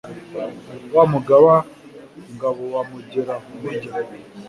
Wa Mugaba-ngabo wa Mugera-kurya.